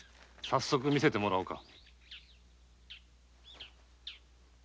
早速見せてもらおうか。